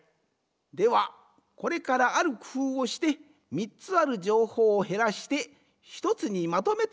ではこれからあるくふうをして３つある情報をへらして１つにまとめてみよう。